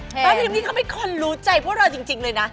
แป๊บที่นี่เขาไม่ค่อนรู้ใจพวกเราจริงเลยนะ